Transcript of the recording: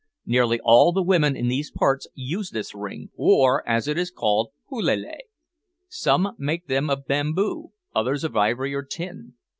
Nearly all the women in these parts use this ring, or, as it is called, pelele. Some make them of bamboo, others of ivory or tin.